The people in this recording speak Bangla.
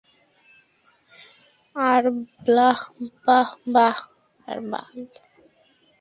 আর ব্লাহ, ব্লাহ, ব্লাহ আর বাল।